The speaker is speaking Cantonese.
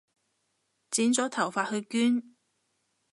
剪咗頭髮去捐